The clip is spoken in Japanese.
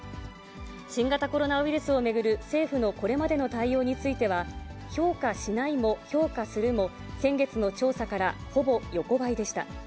新型コロナウイルスを巡る政府のこれまでの対応については、評価しないも評価するも先月の調査からほぼ横ばいでした。